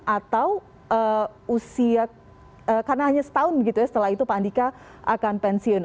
atau usia karena hanya setahun gitu ya setelah itu pak andika akan pensiun